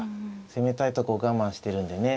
攻めたいとこ我慢してるんでね